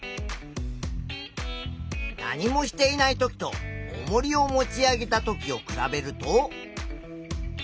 何もしていないときとおもりを持ち上げたときを比べると。